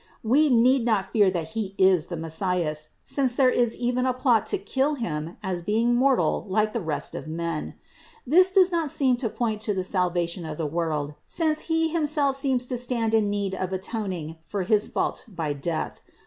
We need not fear that He is the Messias, since there is even a plot to kill Him as being mortal like the rest of men. This does not seem to point to the salvation of the world, since He himself seems to stand in need of atoning for his fault by death.